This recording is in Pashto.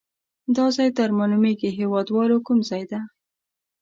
دا ځای در معلومیږي هیواد والو کوم ځای ده؟